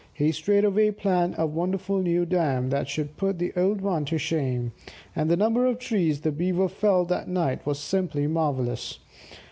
He straightway planned a wonderful new dam that should put the old one to shame; and the number of trees the Beavers felled that night was simply marvellous.